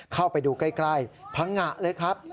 เข้าไปดูใกล้พังงะเลยครับ